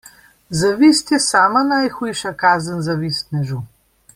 Zavist je sama najhujša kazen zavistnežu.